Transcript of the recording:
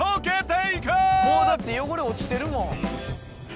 もうだって汚れ落ちてるもん。